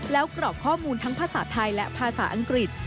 แล้วกรอกข้อมูลทั้งภาษาไทยและภาษาอังกฤษ